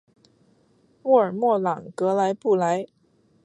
沃尔默朗格莱布莱。